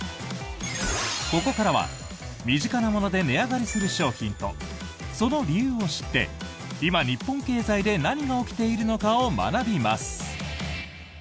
ここからは、身近なもので値上がりする商品とその理由を知って今、日本経済で何が起きているのかを学びます。